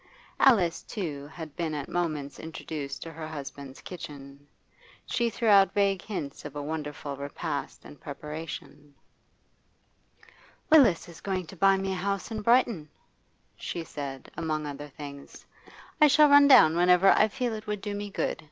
Alice, too, had been at moments introduced to her husband's kitchen; she threw out vague hints of a wonderful repast in preparation. 'Willis is going to buy me a house in Brighton,' she said, among other things. 'I shall run down whenever I feel it would do me good.